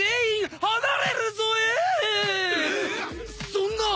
そんな。